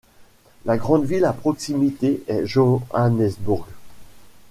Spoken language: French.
La grande ville à proximité est Johannesburg.